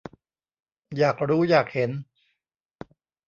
อยากรู้อยากเห็น